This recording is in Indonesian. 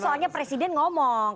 ini soalnya presiden ngomong